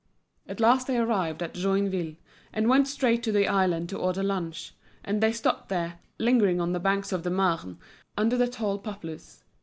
At last they arrived at Joinville, and went straight to the island to order lunch; and they stopped there, lingering on the banks of the Marne, under the tall poplars.